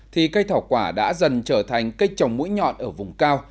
thì cây thảo quả đã dần trở thành cây trồng mũi nhọn ở vùng cao